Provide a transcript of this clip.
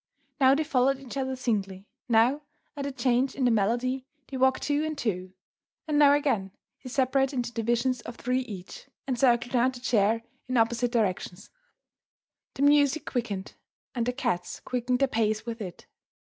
Now they followed each other singly; now, at a change in the melody, they walked two and two; and, now again, they separated into divisions of three each, and circled round the chair in opposite directions. The music quickened, and the cats quickened their pace with it.